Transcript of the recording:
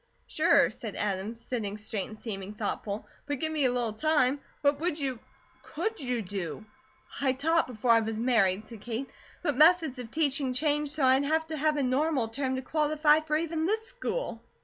"Sure," said Adam, sitting straight and seeming thoughtful, "but give me a little time. What would you could you, do?" "I taught before I was married," said Kate; "but methods of teaching change so I'd have to have a Normal term to qualify for even this school.